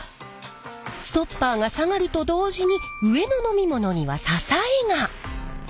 ストッパーが下がると同時に上の飲み物には支えが！